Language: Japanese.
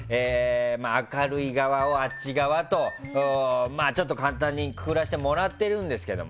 明るい側をあっち側とちょっと簡単にくくらせてもらってるんですけど